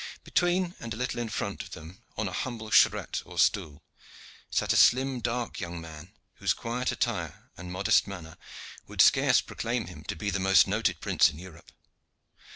Between and a little in front of them on a humble charette or stool, sat a slim, dark young man, whose quiet attire and modest manner would scarce proclaim him to be the most noted prince in Europe.